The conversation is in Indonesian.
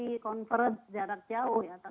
tapi convert jarak jauh ya